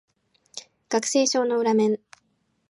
学生証の裏面